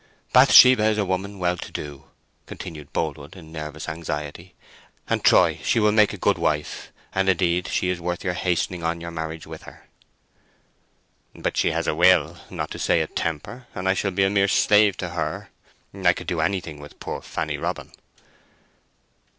"Bathsheba is a woman well to do," continued Boldwood, in nervous anxiety, "and, Troy, she will make a good wife; and, indeed, she is worth your hastening on your marriage with her!" "But she has a will—not to say a temper, and I shall be a mere slave to her. I could do anything with poor Fanny Robin."